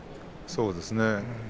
そうですね。